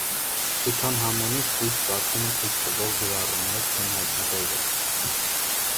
Թութանհամոնի ստույգ ծագումը ցույց տվող գրառումներ չեն հայտնաբերվել։